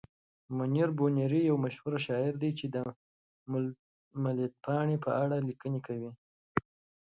منیر بونیری یو مشهور شاعر دی چې د ملتپالنې په اړه لیکنې کوي.